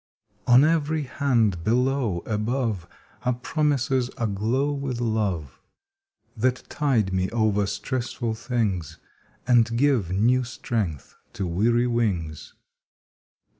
On every hand, below, above, Are promises aglow with love That tide me over stressful things And give new strength to weary wings.